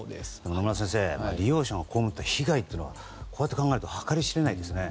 野村先生、利用者が被った被害は、こう考えると計り知れないですね。